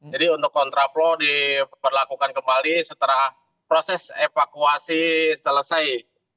jadi untuk kontraplo diperlakukan kembali setelah proses evakuasi selesai